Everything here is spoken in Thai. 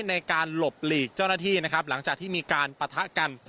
ในการหลบหลีกเจ้าหน้าที่นะครับหลังจากที่มีการปะทะกัน